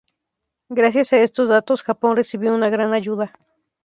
Gracias a estos datos Japón recibió una gran ayuda.